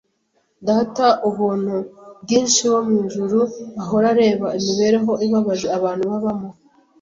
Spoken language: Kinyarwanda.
Data ubuntu bwinshi wo mu ijuru ahora areba imibereho ibabaje abantu babamo,